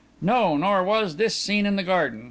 No, nor was this scene in the garden.